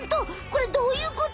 これどういうこと！？